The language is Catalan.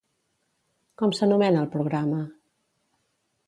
Com s'anomena el programa?